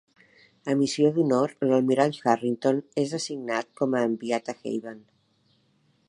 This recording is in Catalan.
A "Missió d'Honor", l'almirall Harrington és assignat com a enviat a Haven.